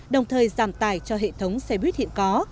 đồng thời giảm tài cho hệ thống xe buýt hiện có